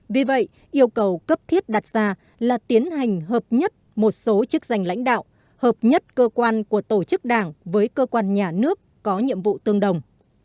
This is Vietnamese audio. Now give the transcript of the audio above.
vì vậy yêu cầu cấp thiết đặt ra là tiến hành hợp nhất một số chức danh lãnh đạo hợp nhất cơ quan của tổ chức đảng với cơ quan nhà nước có nhiệm vụ tương đồng